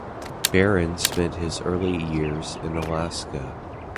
Barron spent his early years in Alaska.